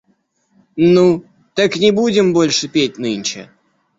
Ну, так не будем больше петь нынче?